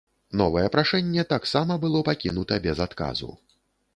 Новае прашэнне таксама было пакінута без адказу.